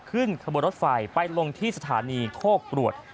ขึ้นทะเบิดรถไฟไปลงที่สถานีโค้กปลวด